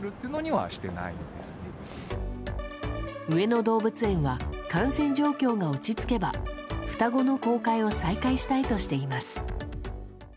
上野動物園は感染状況が落ち着けば双子の公開を再開したいとしています。